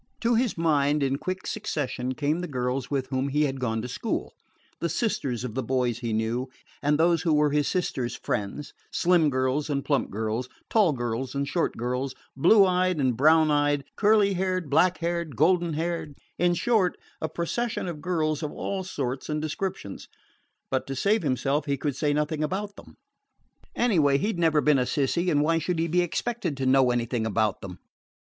To his mind, in quick succession, came the girls with whom he had gone to school the sisters of the boys he knew, and those who were his sister's friends: slim girls and plump girls, tall girls and short girls, blue eyed and brown eyed, curly haired, black haired, golden haired; in short, a procession of girls of all sorts and descriptions. But, to save himself, he could say nothing about them. Anyway, he 'd never been a "sissy," and why should he be expected to know anything about them?